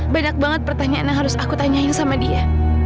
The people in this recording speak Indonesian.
banyak banget pertanyaan yang harus aku tanyain sama dia